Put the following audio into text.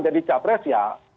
jadi capres ya